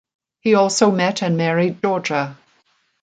He also met and married Georgia.